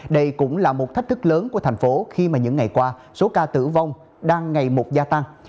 đây cũng là một thách thức lớn của thành phố khi mà những ngày qua số ca tử vong đang ngày một gia tăng